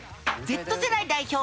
Ｚ世代代表